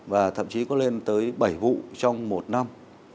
và thậm chí có lên tới bảy vụ trong một năm